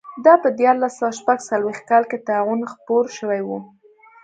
دا په دیارلس سوه شپږ څلوېښت کال کې طاعون خپور شوی و.